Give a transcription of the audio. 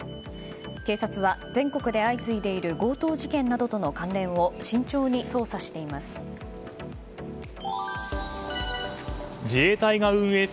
警察は、全国で相次いでいる強盗事件などとの関連を慎重に捜査しています。